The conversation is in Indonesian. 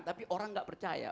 tapi orang gak percaya